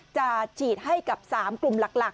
จะฉีดให้กับ๓กลุ่มหลัก